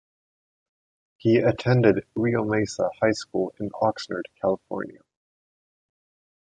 He attended Rio Mesa High School in Oxnard, California.